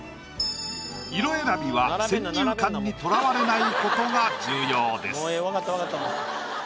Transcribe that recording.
色選びは先入観にとらわれないことが重要です。